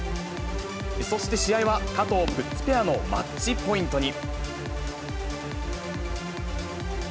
そして試合は、加藤・プッツペアのマッチポイントに。